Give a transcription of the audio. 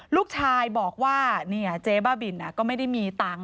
ลูกชายบอกว่าเจ๊บ้าบินก็ไม่ได้มีตังค์